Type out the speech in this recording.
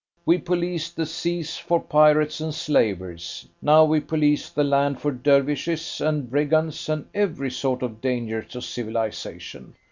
We policed the seas for pirates and slavers. Now we police the land for Dervishes and brigands and every sort of danger to civilisation.